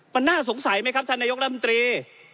คำกำลังสงสัยไหมครับท่านนายกรธมตรี